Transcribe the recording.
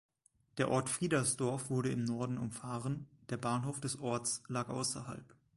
Der Ort Friedersdorf wurde im Norden umfahren, der Bahnhof des Orts lag außerhalb.